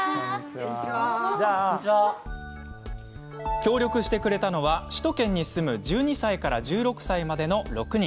協力してくれたのは首都圏に住む１２歳から１６歳までの６人。